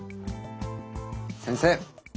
先生！